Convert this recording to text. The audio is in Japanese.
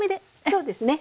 そうですね